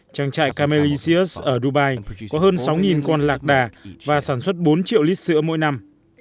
trang trại camelisius ở dubai có hơn sáu con lạc đà và sản xuất bốn triệu lít sữa mỗi năm